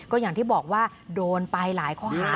ก็อย่างที่บอกว่าโดนไปหลายข้อหา